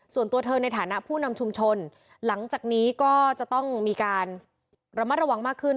ส่วนตัวเธอในฐานะผู้นำชุมชนหลังจากนี้ก็จะต้องมีการระมัดระวังมากขึ้น